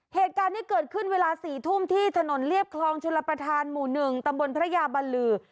เหตุการณ์นี้เกิดขึ้นเวลา๔ทุ่มที่ถนนเรียบคลองชลประธานหมู่๑ตำบลพระยาบรรลือ